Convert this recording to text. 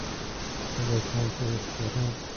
تلگرام فرستادن